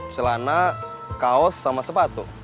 celana kaos sama sepatu